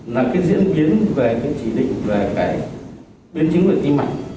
là cái diễn biến về cái chỉ định về cái biến chính của tim mạch